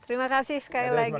terima kasih sekali lagi